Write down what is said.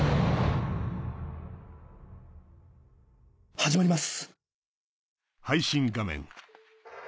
始まります！